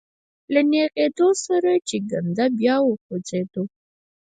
له نېغېدو سره يې کنده بيا وخوځېده.